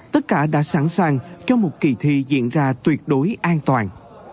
tất cả đã sẵn sàng cho một kỳ thi diễn ra tuyệt đối an toàn